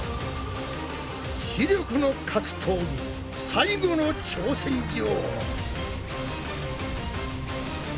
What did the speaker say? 知力の格闘技最後の挑戦状！